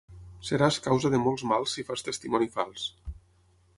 Seràs causa de molts mals si fas testimoni fals.